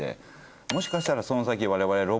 もしかしたらその先我々。